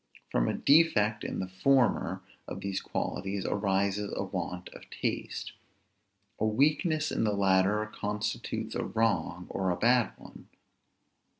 From a defect in the former of these qualities arises a want of taste; a weakness in the latter constitutes a wrong or a bad one.